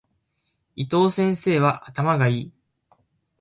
伊藤先生は頭が良い。